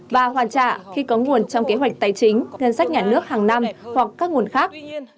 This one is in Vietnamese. và hoàn trả khi có nguồn trong kế hoạch tài chính ngân sách nhà nước hàng năm hoặc các nguồn khác